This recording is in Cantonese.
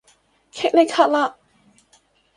虢礫緙嘞